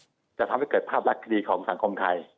จะทำให้เกิดภาพลักษณ์ดีของสังคมไทย